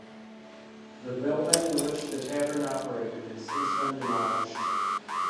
The building in which the Tavern operated has since been demolished.